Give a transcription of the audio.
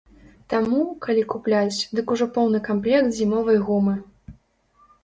Таму, калі купляць, дык ужо поўны камплект зімовай гумы.